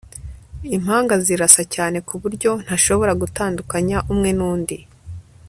impanga zirasa cyane kuburyo ntashobora gutandukanya umwe nundi